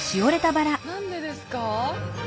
何でですか？